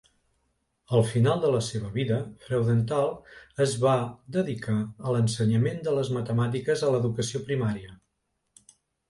Al final de la seva vida, Freudenthal es va dedicar a l'ensenyament de les matemàtiques a l'educació primària.